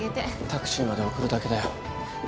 タクシーまで送るだけだよ。